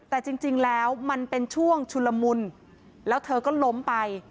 แต่จริงแล้วมันเป็นช่วงชุลมุนแล้วเธอก็ล้มไป